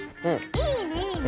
いいねいいね！